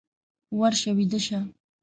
ورشه ويده شه!